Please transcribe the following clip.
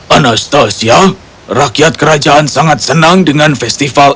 anastasia rakyat kerajaan sangat senang dengan festival